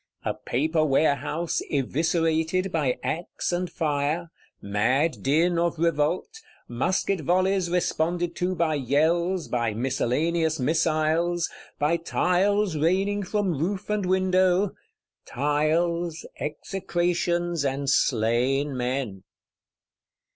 A Paper Warehouse eviscerated by axe and fire: mad din of Revolt; musket volleys responded to by yells, by miscellaneous missiles; by tiles raining from roof and window,—tiles, execrations and slain men!